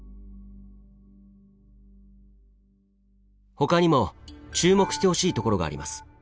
ほかにも注目してほしいところがあります。